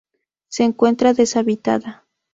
Se encuentra deshabitada.